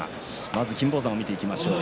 金峰山も見ていきましょう。